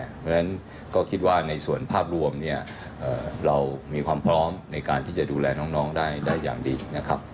เพราะฉะนั้นก็คิดว่าในส่วนภาพรวมเนี่ยเรามีความพร้อมในการที่จะดูแลน้องได้อย่างดีนะครับ